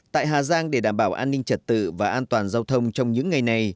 tại hà giang để đảm bảo an ninh trật tự và an toàn giao thông trong những ngày này